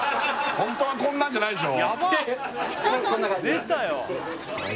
ホントはこんなんじゃないでしょ